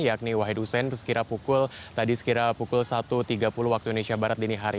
lapa sukamiskin yakni wahid hussein sekira pukul satu tiga puluh waktu indonesia barat dini hari